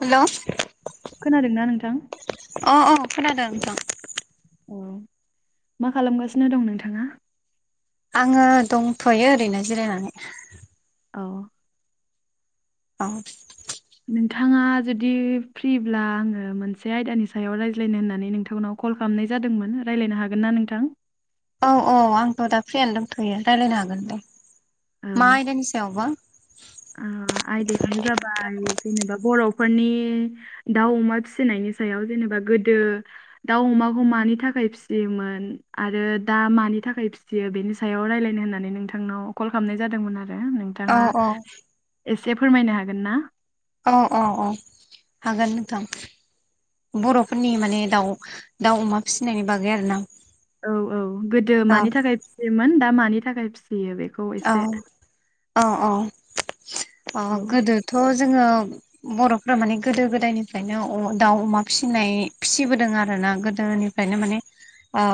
Hello खोनादोंना नोंथां अ अ खोनादों नोंथां औ मा खालामगासिनो दं नोंथाङा आङो दंथ'यो ओरैनो जिरायनानै औ औ नोंथाङा जुदि फ्रिब्ला आङो मोनसे आयदानि सायाव रायज्लायनो होननानै नोंथांनाव कल खालामनाय जादोंमोन रायलायनो हागोन ना नोंथां औ औ आंथ' दा फ्रियानो दंथ'यो रायजलायनो हागोन दे औ मा आयदानि सायावबा ओ आयदायानो जाबाय जेनेबा बर'फोरनि दाउ अमा फिसिनायनि सायाव जेनेबा गोदो दाउ अमाखौ मानि थाखाय फिसियोमोन आरो दा मानि थाखाय फि सियो बेनि सायाव रायलायनो होननानै नोंथांनाव कल खालामनाय जादोंमोन आरो औ नोंथाङा औ एसे फोरमायनो हागोनना? अ अ हागोन नोंथां। बर'फोरनि माने दाउ दाउ अमा फिसिनायनि बागै आरोना औ औ गोदो औ मानि थाखाय फिसियोमोन दा मानि थाखाय फिसियो बे औ अ अ औ गोदोथ' जोङो बर'फोरा माने गोदो गोदायनिफ्रायनो अ दाउ अमा फिसिनाय फिसिबोदों आरोना गोदोनि खायनो माने अ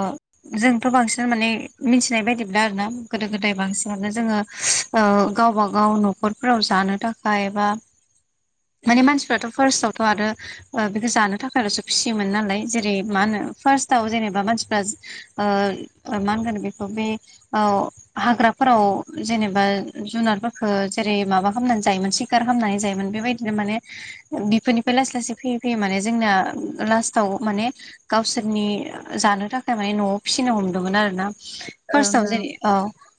जोंथ' बांसिन माने मिथिनाय बायदिब्ला आरोना गोदो गोदाय बांसि नांनो जोङो ओ गावबा गाव नखरफोराव जानो थाखाय एबा माने मानसिफ्राथ' फार्स्टआवथ' आरो ओ बेखौ जानो थाखायल'सो फिसियोमोन नालाय जेरै मा होनो फार्स्टआव जेनेबा मानसिफ्रा ओ ओ मा होनगोन बेखौ बे औ हाग्रा फोराव जेनेबा जुनारफोरखो जेरै माबा खामनानै जायोमोन सिकार खामनानै जायोमोन बेबायदिनो माने बिफोरनिफ्राय लासै लासै फैयै फैयै माने जोंना लास्टाव माने गावसोरनि जानो थाखाय माने न'वाव फिसिनो हमदोंमोन आरोना। फार्स्टआव ओं जेरै ओ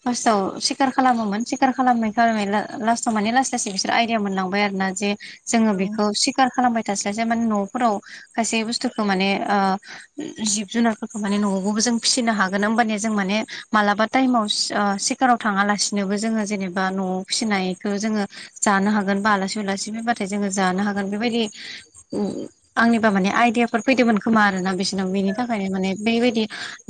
फार्स्टआव सिकार खालामोमोन सिकार खालामै खालामै ला लास्टाव माने लासै लासै बिसोर आइदिया मोनलांबाय आरोना जे जोङो ओं बेखौ सिकार खालामबाय थास्लास्लाय माने न'फोराव खायसे बुस्थुखो माने ओ जिब जुनारफोरखौ माने न'वावबो जों फिसिनो हागोन ओमबानिया जों माने मालाबा टाइमाव ओ सिकाराव थाङालासिनोबो जोङो जेनेबा न'वाव फिसिनायखो जोङो जानो हागोन बा आलासि उलासि फायबाथाय जोङो जानो हागोन बेबायदि [unintelligible] आंनिबा माने आइदियाफोर फैदोंमोन खोमा आरोना बिसोरनाव बेनि थाखायनो माने बेबायदि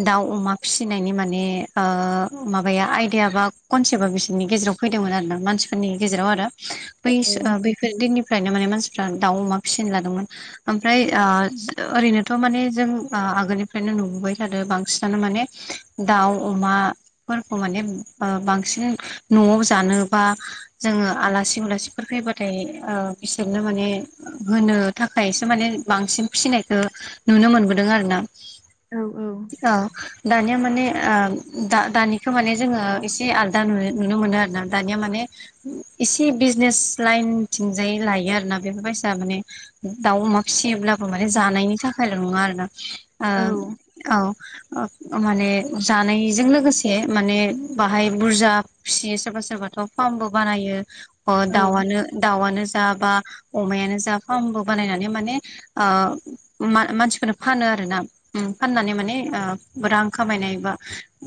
दाउ अमा फिसिनायनि माने ओ माबाया आइडिया बा कनसेप्टा बिसोरनि गेजेराव फैदोंमोन आरोना मानसिफोरनि गेजेराव आरो बै सो बैफोर दिननिफ्रायनो माने मानसिफ्रा दाउ अमा फिसिनो लादोंमोन। ओमफ्राय ओ ओरैनोथ' माने जों ओ आगोलनिफ्रायनो नुबोबाय थादो बांसिनानो माने दाउ अमाफोरखौ माने ओ बांसिन न'वाव जानो बा जोङो आलासि उलासिफोर फैबाथाय ओ बिसोरनो माने होनो थाखायसो माने बांसिन फिसिनायखौ नुनो मोनबोदों आरोना। औ औ ओ दानिया माने ओ दा दानि बेखो माने जोङो एसे आलादा नुनो नुनो मोनो आरोना दानिया माने एसे बिजनेस लाइनथिंजाय लायो आरोना बेफोर बायसा माने दाउ अमा फिसियोब्लाबो माने जानायनि थाखायल' नङा आरोना। ओ औ औ ओ ओ माने जानायजों लोगोसे ए माने बाहाय बुरजा फिसियो सोरबा सोरबाथ' फार्मबो बानायो। ओ औ दाउआनो दाउआनो जा बा अमायानो जा फार्मबो बानायनानै माने ओ मा मानसिफोरनो फानो आरोना। उम फाननानै माने ओ रां खामायनाय एबा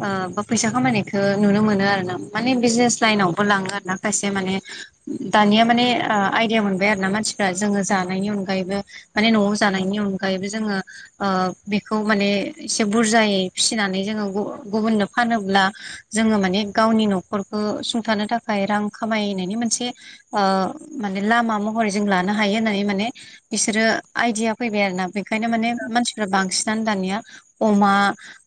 ओ बा फैसा खामानायखो नुनो मोनो आरोना माने बिजनेस लाइनावबो लाङो आरोना खायसे माने दानिया माने ओ आइदिया मोनबाय आरोना मानसिफ्रा जोङो जानायनि अनगायैबो माने न'वाव जानायनि अनगायैबो जोङो ओ बेखौ माने एसे बुरजायै फिसिनानै जोङो गु गुबुननो फानोब्ला जोङो माने गावनि नखरखो सुंथानो थाखाय रां खामायनायनि मोनसे ओ माने लामा महरै जों लानो हायो होननानै माने बिसोरो आइदिया फैबाय आरोना बेखायनो माने मानसिफ्रा बांसिनानो दानिया अमा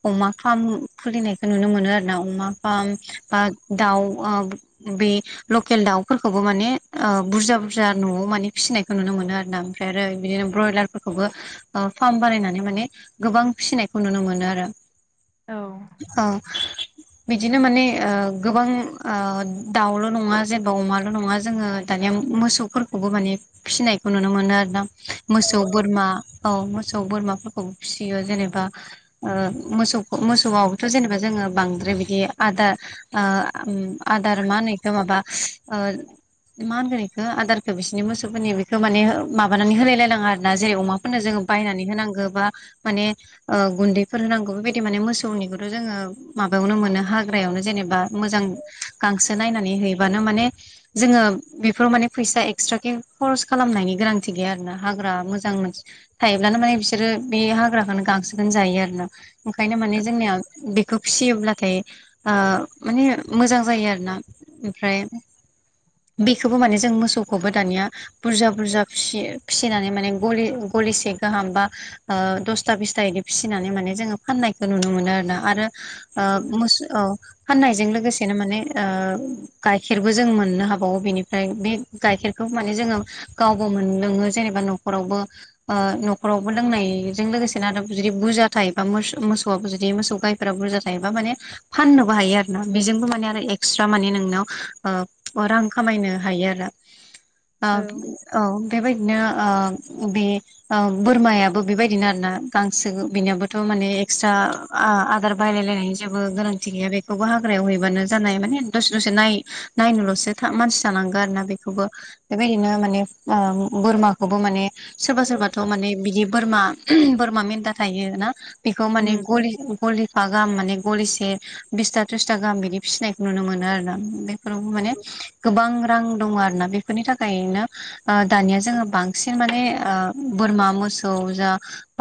अमा फार्म खुलिनायखो नुनो मोनो आरोना अमा फार्म बा दाउ आ बे लकेल दाउफोरखौबो माने बुरजा बुरजा न'आव माने फिसिनायखौ नुनो मोनो आरोना। ओमफ्राय आरो बिदिनो ब्रयलारफोरखौबो ओ फार्म बानायनानै माने गोबां फिसिनायखौ नुनो मोनो आरो औ औ बिदिनो माने ओ गोबां दाउल' नंङा जेनेबा अमाल' नंङा जोंङो दानिया मोसौफोरखौबो माने फिसिनायखौ नुनो मोनो आरोना औ मोसौ बोरमा औ मोसौ बोरमाफोरखौ फिसियो जेनेबा ओ मोसौखौ मोसौआव थ' जेनेबा जोंङो बांद्राय बिदि आदार ओ आदार मा होनो बेखौ ओ माबा मा होनगोन बेखौ आदारखौ बिसिरनि मोसौफोरनि बेखौ माने माबानानै होलायलाय नांङा आरोना जेरै अमा बायनानै होनांगौ बा माने गुनदैफोर होनांगौ बेबायदि माने मोसौनि खौ जोंङो माबायावनो मोनो हाग्रायावनो जेनेबा मोजां गांसो नायनानै हैबानो माने जोंङो बेफोराव माने फैसा एक्सट्राके खरस खालामनायनि गोनांथि गैया आरोना हाग्रा मोजां मोन थायोब्लानो माने बिसोरो बे हाग्राखोनो गांसोखोन जायो आरोना ओंखायनो माने जोंनिया बेखौ फिसियोब्लाथाय ओ माने मोजां जायो। आरोना ओमफ्राय बेखोबो माने जों मोसौखौबो दानिया बुरजा बुरजा फिसि फिसिनानै माने गलि गलिसे गाहाम बा ओ दसथा बिसता इदि फिसिनानै माने जोंङो फाननायखो नुनो मोनो आरो ना आरो ओ मुस औ फाननायजों लोगोसेनो माने ओ गाइखेरबो जों मोननो हाबावो बेनिफ्राय बे गाइखेरखौबो माने जोंङो गावबो मोनलोंङो जेनेबा न'खरावबो ओ न'खरावबो लोंनायजों लोगोसेनो आरो जुदि बुरजा थायोबा मोसौ मोसौआबो जुदि मोसौ गाय फोराव बुरजा थायोबा माने फाननोबो हायो आरो ना बेजोंबो माने आरो एक्सट्रा माने नोंनाव ओ ओ रां खामायनो हायो आरो [unintelligible] ओ औ बेबायदिनो ओ बे ओ बोरमायाबो बेबायदिनो आरोना गांसो बिनियाबोथ' माने एक्सट्रा आ-आदार बायलायलायनायनि जेबो गोनांथि गैया बेखौबो हाग्रायाव हैबानो जानाय माने दसे दसे नाय नायनोल'सो था मानसि थानांगो आरोना बेखौबो बेबायदिनो माने ओ बोरमाखौबो माने सोरबा सोरबाथ' माने बिदि बोरमा बोरमा मेन्दा थायो ना बेखौ माने गलि गलिफा गाहाम माने गलिसे बिसथा थ्रिसथा गाहाम बिदि फिसिनायखौ नुनो मोनो आरोना बेफोरावबो माने गोबां रां दंङो आरो ना बे बेफोरनि थाखायनो ओ दानिया जोंङो बांसिन माने ओ बोरमा मोसौ जा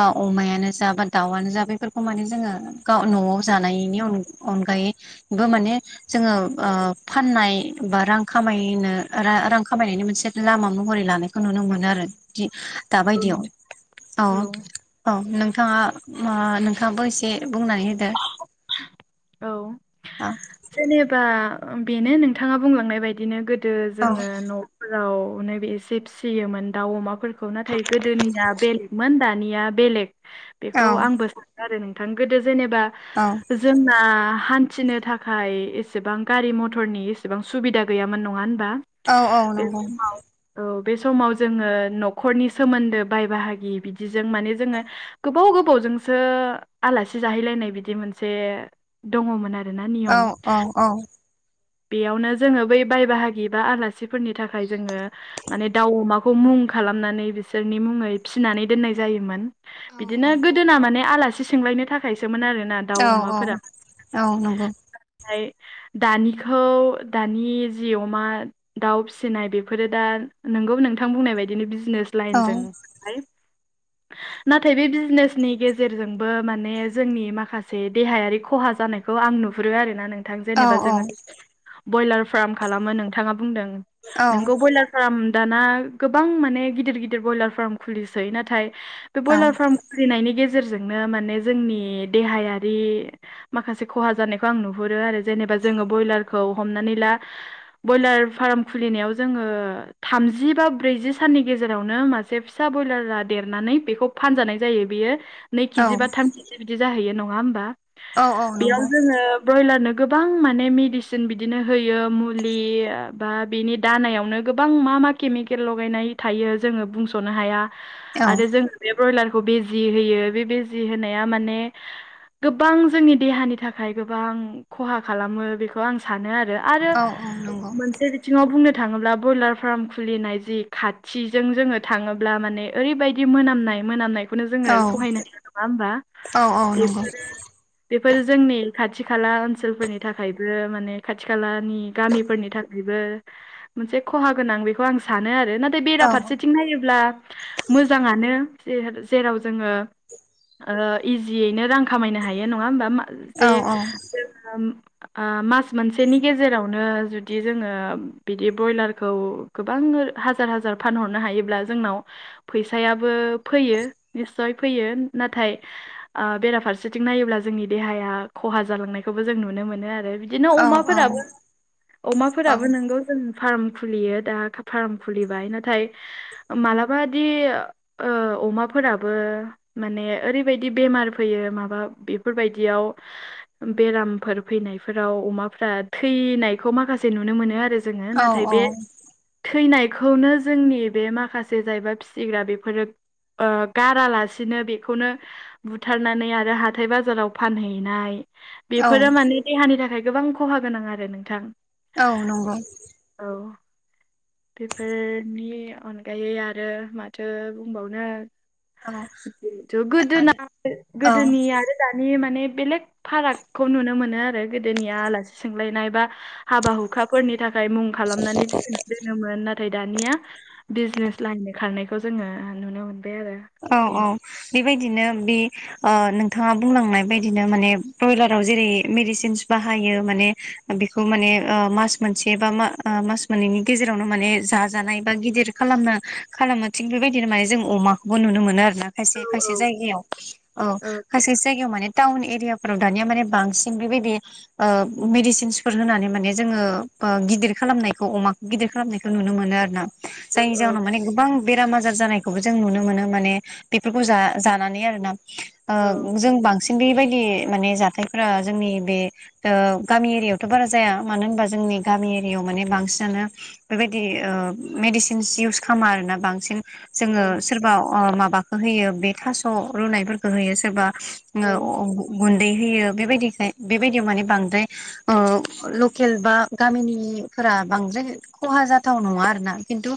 ओ अमायानो जा बा दाउआनो जा बेफोरखौ माने जोंङो गाव न'आव जानायनि अन-अनगायै बो माने जोंङो ओ फाननाय बा रां खामायनो ओ रा-रां खामायनायनि मोनसे लामा महरै लानाय खौ नुनो मोनो आरो दि दाबायदियाव औ औ नोंथाङा ओ नोंथांङाबो इसे बुंनानै होदो औ औ जेनेबा बेनो नोंथांङा बुंलांनाय बायदिनो गो दो जोंङो न'फोराव नो एसे फिसियोमोन दाउ अमाफोर खौ नाथाय गोदोनिया बेलेगमोन दानिया बेलेग औ बेखौ आंबो आरो नोंथां गोदो जेनेबा औ जोंना हान्थिनो थाखाय एसेबां गारि मथरनि एसेबां सुबिदा गैयामोन नंङा होनबा औ औ बे नंगौ समाव औ बे समाव जोङो न'खरनि सोमोन्दो बाय बाहागि बिदिजों माने जोङो गोबाव गोबावजोंसो आलासि जाहैलायनाय बिदि मोन जे दङमोन आरोना औ नियम औ औ बेयावनो जोङो बै बाय बाहागि बा आलासिफोरनि थाखाय जोङो माने दाउ अमाखौ मुं खालामनानै बिसोरनि मुङै फिसिनानै दोननाय जायोमोन। औ बिदिनो औ गोदोना माने आलासि सोंलायनो थाखायसोमोन आरोना दाउ औ अमाफोरा औ नंगौ ओमफ्राय दानि खौ दानि जि अमा दाउ फिसिनाय बेफोरो दा नोंगौ नोंथां बुंनाय बायदिनो बिजनेस औ लाइनजों हाय नाथाय बे बिजनेसनि गेजेरजोंबो माने जोंनि माखासे देहायारि खहा जानाय खौ आं नुहुरो आरोना नों नोंथां औ जेनेबा जोङो ब्रयलार फार्म खालामो नोंथाङा बुंदों औ नोंगौ ब्रयलार फार्म दाना गोबां माने गिदिर गिदिर ब्रयलार फार्म खुलिसै नाथाय बे औ ब्रयलार फार्म खुलिनायनि गेजेरजोंनो माने जोंनि देहायारि माखासे खहा जानायखौ आं नुहुरो आरो जेनेबा जोङो ब्रयलारखौ हमनानै ला ब्रयलार फार्म खुलिनायाव जोङो थामजि बा ब्रैजि साननि गेजेरावनो मा जे फिसा ब्रयलारा देरनानै बेखौ फानजानाय जायो बियो नै औ केजि बा थाम केजि बिदि जाहैयो नङा होमबा औ औ बेयाव नंगौ जोङो ब्रयलारनो गोबां माने मेडिसिन सिन बिदिनो होयो मुलि बा बिनि दानायावनो गोबां मा मा केमिकेल लगायनाय थायो जोङो बुंस'नो हाया औ आरो जों बे ब्रयलारखौ बिजि होयो बे बिजि होनाया माने गोबां जोंनि देहानि थाखाय गोबां खहा खालामो बेखौ आं सा सानो आरो आरो औ औ नंगौ मोनसे बिथिङाव बुंनो थाङोब्ला ब्रयलार फार्म खुलिनाय जि खाथिजों जोङो थाङोब्ला माने ओरैबायदि मोनामनाय मोनामनायखौनो औ जोङो सहायनो हाया नङा होमबा औ औ नंगौ बेफोरो बेफोरो जोंनि खाथि खाला ओनसोलफोरनि थाखाय खाथि खालानि गामिफोरनि थाखायबो मोनसे खहा गोनां बेखौ आं सानो आरो नाथाय औ औ बेराफारसेथिं नायोब्ला मोजाङानो जेराव जोङो ओ इजियैनो रां खामायनो हायो नङा होमबा औ जे ओ मास मोनसेनि गेजेरावनो जुदि जोङो बिदि ब्रयलारखौ गोबां हाजार हाजार फानहरनो हायोब्ला जोंनाव फैसायाबो फैयो निसय फैयो नाथाय आ बेराफारसेथिं नायोब्ला जोंनि देहाया खहा जालांनायखौबो जों नुनो मोनो आरो आरो बिदिनो औ अमाफोराबो अमाफोराबो नोंगौ फार्म खुलियो दा फार्म खुलिबाय नाथाय मालाबा दि ओ अमाफोराबो माने ओरैबायदि बेमार फैयो माबा बेफोरबायदियाव बेरामफोर फैनाय फोराव अमाफोरा थैनायखौ माखासे नुनो मोनो आरो जोङो औ नाथाय बे थैनायखौनो जोंनि बे माखासे जायबा फिसिग्रा बेफोरो ओ गारालासिनो बेखौनो बुथारनानै आरो हाथाय बाजाराव फानहैनाय बेफोरो माने देहानि थाखाय गोबां खहा गोनां आरो नोंथां औ नंगौ औ बेफोरनि अनगायै आरो माथो बुंबावनो औ जिथु गोदोना आरो औ गोदोनि आरो दानि माने बेलेग फारागखौ नुनो मोनो आरो गोदोनिया आलासि सोंलायनाय बा हाबा हुखाफोरनि थाखाय मुं खालामनानै फिसिनाय दोनोमोन नाथाय दानिया बिजनेस लाइनजों खारनायखौ जोङो नुनो मोनबाय आरो औ बे औ बेबायदिनो बि अ नोंथाङा बुंलांनाय बायदिनो माने ब्रयलाराव जेरै मेडिसिनस बाहायो माने बेखौ माने ओ मास मोनसे बा मा मास मोननैनि गेजेरावनो माने जाजानाय बा गिदिर खालामना खालामो थिग बेबायदिनो माने जों अमा बो नुनो मोनो आरो ना औ खायसे खायसे औ जायगायाव औ खायसे जायगायाव माने टाउन एरियाफोराव दानिया माने बांसिन बेबायदि ओ मेडिसिनसफोर होनानै माने जोङो ओ गिदिर खालामनायखौ अमा गिदिर खालामनायखौ नुनो मोनो आरो ना जायनि औ जााहनाव माने गोबां बेराम आजार जानायखौबो जों नुनो मोनो माने बेफोरखौ जा जानानै आरोना औ ओ जों बां सिन बेबायदि माने जाथायफोरा जोंनि बे ओ गामि एरियायावथ' बारा जाया मानो होनबा जोंनि गामि एरियाव माने बांसिनानो बेबायदि ओ मेडिसिनस इउस खामा आरोना बांसिन जोङो औ सोरबा माबाखौ होयो बे थास' रुनायफोरखौ होयो सोरबा औ [unintelligible] गुन्दै होयो बेबायदिखाय बेबायदियाव माने बांद्राय ओ लकेल बा गामिनिफोरा बांद्राय खहा जाथाव नङा आरोना खिन्थु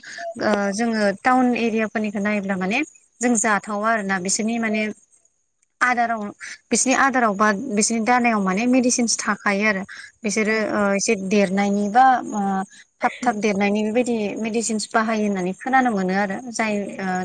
ओ जोङो टाउन एरियाफोरनि खो नायोब्ला माने जों जाथावा आरोना बिसोरनि माने आदाराव बिसोरनि आदाराव बा बिसोरनि दानायाव माने मेडिसिनस थाखायो आरो औ बिसोरो ओ एसे देरनायनि बा आ थाब थाब देरनायनि बेबाय दि मेडिसिनस बाहायो होननानै खोनानो मोनो आरो जाय ओ